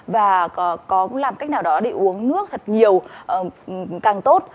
và có làm cách nào đó để uống nước thật nhiều càng tốt